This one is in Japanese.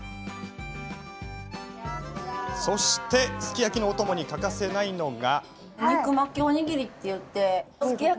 そして、すき焼きのお供に欠かせないのが。